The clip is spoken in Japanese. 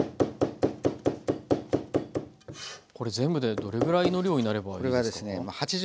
これ全部でどれぐらいの量になればいいですか？